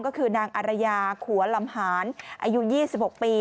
ก็คือนางอารยาขัวลำหานอายุ๒๖ปี